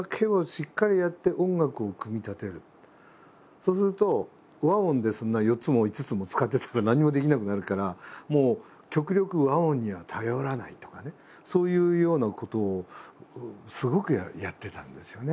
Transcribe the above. そうすると和音でそんな４つも５つも使ってたら何にもできなくなるからもう極力和音には頼らないとかねそういうようなことをすごくやってたんですよね。